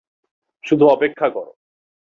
শুধু অপেক্ষা করো।